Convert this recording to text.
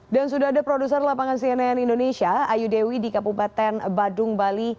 dan sudah ada produser lapangan cnn indonesia ayu dewi di kabupaten badung bali